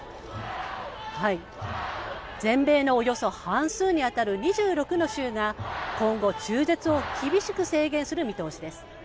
全米のおよそ半数に当たる２６の州が、今後、中絶を厳しく制限する見通しです。